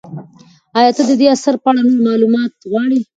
ایا ته د دې اثر په اړه نور معلومات غواړې؟